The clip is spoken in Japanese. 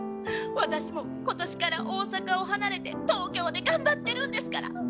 私も今年から大阪を離れて東京で頑張ってるんですから！